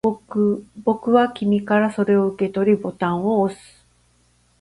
僕は君からそれを受け取り、ボタンを押す